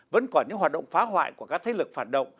vẫn còn những hoạt động phá hoại của các thế lực phản động